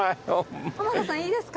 浜田さんいいですか？